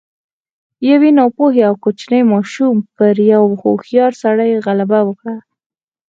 يوې ناپوهې او کوچنۍ ماشومې پر يوه هوښيار سړي غلبه وکړه.